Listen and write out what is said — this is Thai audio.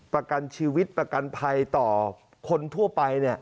ประกันชีวิตประกันภัยต่อคนทั่วไป